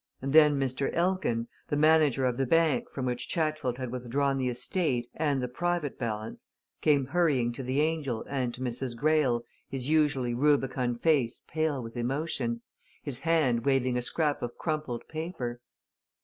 And then Mr. Elkin, the manager of the bank from which Chatfield had withdrawn the estate and the private balance, came hurrying to the "Angel" and to Mrs. Greyle, his usually rubicund face pale with emotion, his hand waving a scrap of crumpled paper.